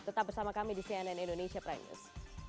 tetap bersama kami di cnn indonesia prime news